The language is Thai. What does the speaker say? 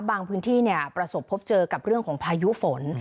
บางพื้นที่ประสบพบเจอกับเรื่องของพายุฝน